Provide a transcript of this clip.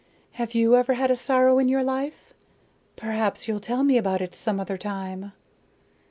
Have you ever had a sorrow in your life? Perhaps you'll tell me about it some other time."